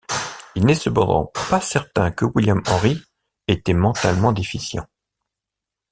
Il n'est cependant pas certain que William Henry était mentalement déficient.